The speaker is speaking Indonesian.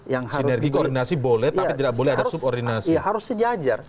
yang harus dikeordinasi harus sejajar